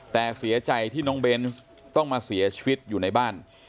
แต่เสียใจที่น้องเบนส์ต้องมาเสียชีวิตอยู่ในบ้าน